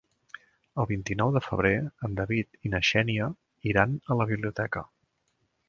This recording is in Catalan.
El vint-i-nou de febrer en David i na Xènia iran a la biblioteca.